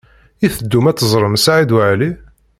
I teddum ad teẓrem Saɛid Waɛli?